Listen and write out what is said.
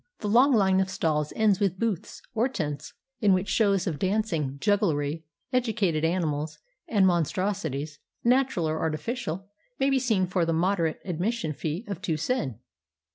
The long line of stalls ends with booths, or tents, in which shows of dancing, jugglery, educated animals, and mon strosities, natural or artificial, may be seen for the mod erate admission fee of two sen.